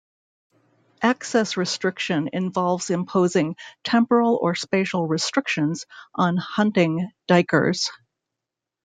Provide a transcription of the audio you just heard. Access restriction involves imposing "temporal or spatial restrictions" on hunting duikers.